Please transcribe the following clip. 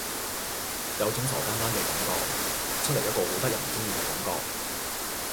有種傻更更嘅感覺，出嚟一個好得人中意嘅感覺